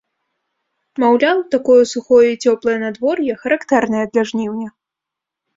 Маўляў, такое сухое і цёплае надвор'е характэрнае для жніўня.